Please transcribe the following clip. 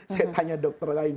saya tanya dokter lain